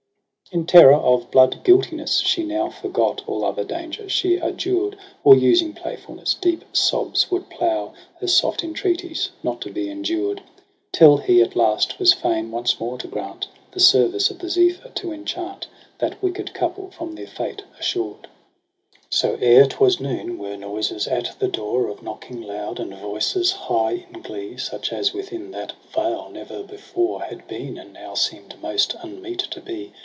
In terror of bloodguiltiness she now Forgot all other danger ; she adjured j Or using playfiilness deep sobs would plow Her soft entreaties, not to be endured : Till he at last was fain once more to grant The service of the Zephyr, to enchant That wicked couple from their fate assured. JUNE lie, So ere 'twas noon were noises at the door Of knocking loud and voices high in glee ^ Such as within that vale never before Had been, and now seemed most unmeet to be.